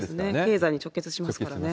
経済に直結しますからね。